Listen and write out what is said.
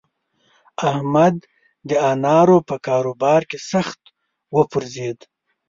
احمد د انارو په کاروبار کې سخت وپرځېد.